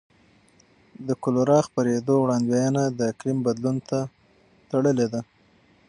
د کولرا خپرېدو وړاندوینه د اقلیم بدلون ته تړلې ده.